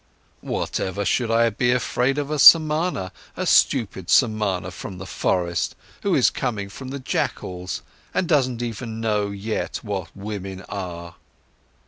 "Whatever for should I be afraid of a Samana, a stupid Samana from the forest, who is coming from the jackals and doesn't even know yet what women are?"